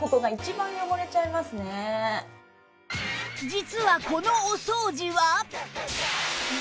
実はこのお掃除は